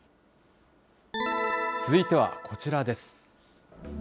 続いてはこちらです。